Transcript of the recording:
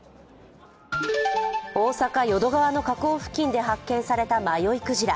大坂・淀川の河口付近で発見された迷いクジラ。